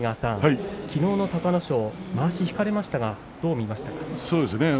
きのうの隆の勝、まわしは引かれましたが、どうでしたか。